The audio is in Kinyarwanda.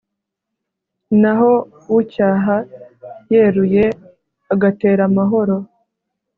naho ucyaha yeruye agatera amahoro